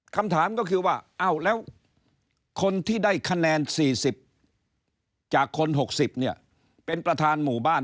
คำถามก็คือว่าเอ้าแล้วคนที่ได้คะแนน๔๐จากคน๖๐เนี่ยเป็นประธานหมู่บ้าน